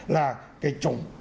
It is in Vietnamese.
là cái chủng